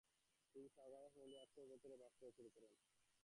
তিনি Sagrada familiar ওয়র্কশপের ভেতরে বাস করা শুরু করেন।